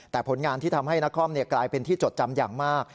แต่ผลงานที่ทำให้นครกลายเป็นที่จดจำอย่างมาก